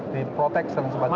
di protection dan sebagainya